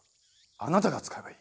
あなたが使えばいい。